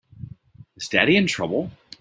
Is Daddy in trouble?